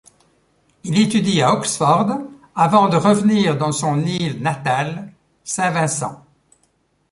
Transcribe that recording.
Il étudie à Oxford avant de revenir dans son île natale, Saint-Vincent.